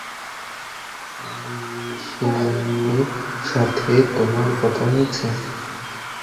আরিশেমের সাথে তোমার কথা হয়েছে?